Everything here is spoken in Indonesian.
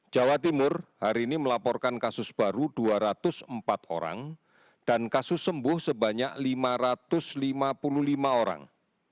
jawa timur hari ini melaporkan kasus baru dua ratus empat orang dan kasus sembuh sebanyak lima ratus lima puluh lima orang